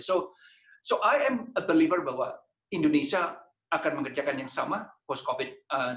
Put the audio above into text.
jadi saya percaya bahwa indonesia akan mengerjakan yang sama setelah covid sembilan belas